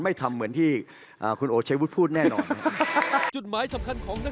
ไม่ทำเหมือนที่คุณโอเชฟพูดแน่นอน